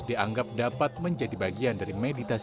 dianggap dapat menjadi bagian dari meditasi